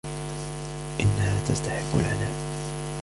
إنها تستحق العناء.